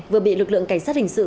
vừa bị lực lượng cảnh sát hình sự